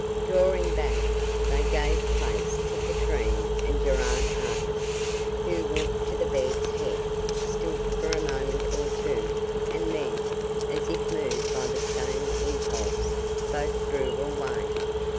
Drawing back, they gave place to Katrine and Gerard Artis, who walked to the bed's head, stood for a moment or two, and then, as if moved by the same impulse, both drew away.